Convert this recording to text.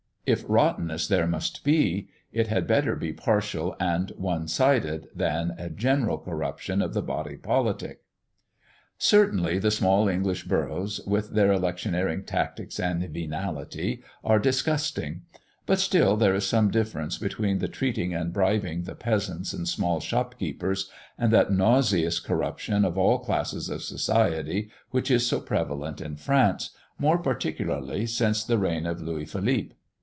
If rottenness there must be, it had better be partial and one sided, than a general corruption of the body politic. Certainly the small English boroughs, with their electioneering tactics and venality, are disgusting; but still there is some difference between the treating and bribing the peasants and small shop keepers and that nauseous corruption of all classes of society which is so prevalent in France, more particularly since the reign of Louis Philippe.